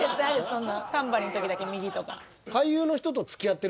そんなタンバリンの時だけ右とか。